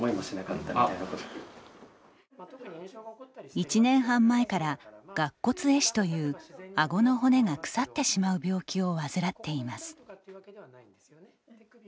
１年半前から顎骨え死というあごの骨が腐ってしまう病気を患っています。